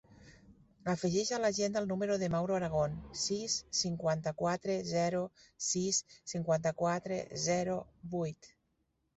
Afegeix a l'agenda el número del Mauro Aragon: sis, cinquanta-quatre, zero, sis, cinquanta-quatre, zero, vuit.